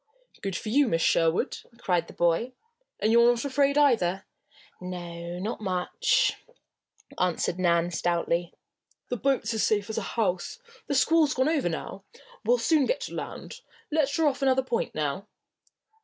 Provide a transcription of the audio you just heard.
"Good for you, Miss Sherwood!" cried the boy. "And you're not afraid, either?" "No not much," answered Nan, stoutly. "The boat's as safe as a house. The squall's gone over now. We'll soon get to land. Let her off another point now."